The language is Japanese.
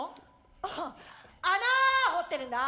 あっ穴掘ってるんだ。